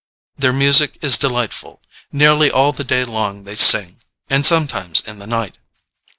Their music is delightful: nearly all the day long they sing, and sometimes in the night.